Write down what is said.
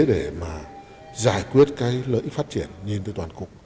để mà giải quyết cái lợi ích phát triển nhìn từ toàn cục